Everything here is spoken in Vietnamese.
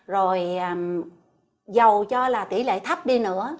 thì dầu cho là tỉ lệ thấp đi nữa